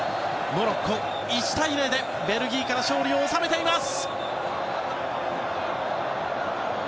モロッコ、２対０でベルギーから勝利を収めています。